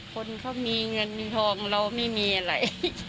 คนเขามีเงินมีทองเราไม่มีอะไร